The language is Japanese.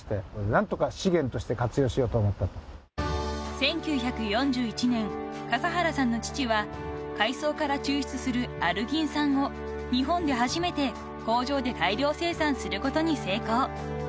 ［１９４１年笠原さんの父は海藻から抽出するアルギン酸を日本で初めて工場で大量生産することに成功］